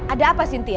ada apa sintia